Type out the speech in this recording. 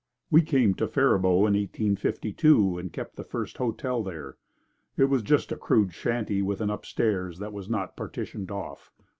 We came to Faribault in 1852 and kept the first hotel there. It was just a crude shanty with an upstairs that was not partitioned off.